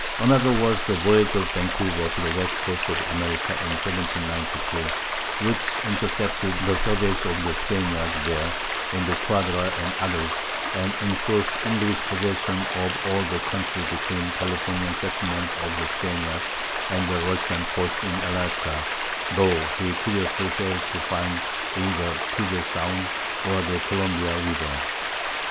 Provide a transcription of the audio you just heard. Another was the voyage of Vancouver to the west coast of America in 1792, which intercepted the surveys of the Spaniards there, under Quadra and others, and enforced English possession of all the country between the Californian settlements of the Spaniards and the Russian posts in Alaska, though he curiously failed to find either Puget Sound or the Columbia River.